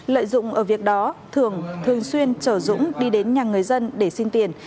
lợi dụng ở việc đó thường thường xuyên chở dũng đi đến nhà người dân để xin tiền